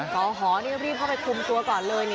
กอหอนี่รีบเข้าไปคุมตัวก่อนเลย